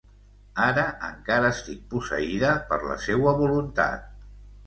Ara encara estic posseïda per la seua voluntat.